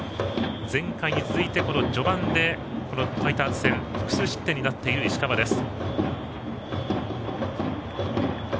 前回に続いて序盤でファイターズ戦複数失点になっている石川です。